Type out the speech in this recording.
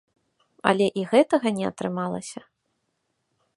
Але і гэтага не атрымалася.